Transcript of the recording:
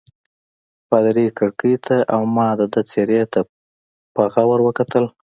پادري کړکۍ ته او ما د ده څېرې ته په غور وکتل.